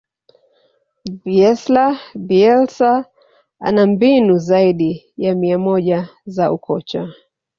bielsa ana mbinu zaidi ya mia moja za ukocha